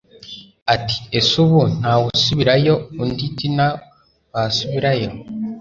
ati ese ubu ntawasubirayo undi tna wasubirayo